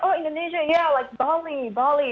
oh indonesia ya bali bali